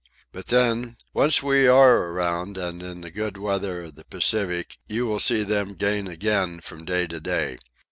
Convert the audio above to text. "But then, once we are around and in the good weather of the Pacific, you will see them gain again from day to day.